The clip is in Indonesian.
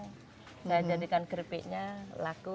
saya jadikan keripiknya laku